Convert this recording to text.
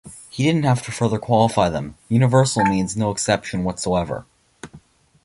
He didn't have to further qualify them - universal means no exception whatsoever.